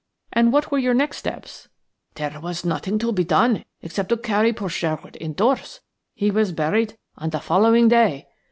"And what were your next steps?" "There was nothing to be done except to carry poor Sherwood indoors. He was buried on the following day.